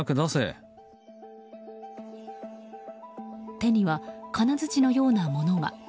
手には金づちのようなものが。